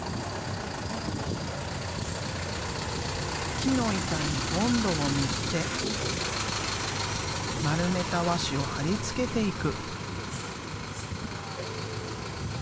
木の板にボンドを塗って丸めた和紙を貼り付けていく。